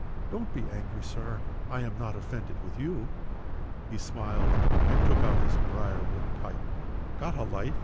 Don't be angry, Sir. I'm not offended with you." He smiled, and took out his brier wood pipe. "Got a light?"